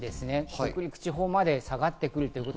北陸地方まで下がってくる。